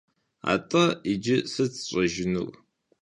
Атӏэ иджы сыт сщӏэжынур?